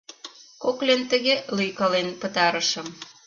Кок лентыге лӱйкален пытарышым...